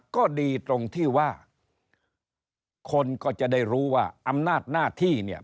ก็ดีตรงที่ว่าคนก็จะได้รู้ว่าอำนาจหน้าที่เนี่ย